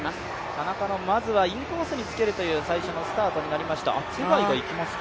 田中のまずはインコースにつけるという最初のスタートになりました。